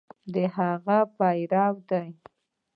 د هغه پیروان دي.